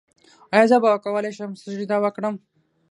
ایا زه به وکولی شم سجده وکړم؟